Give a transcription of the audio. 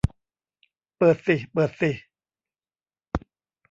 เปิดสิเปิดสิ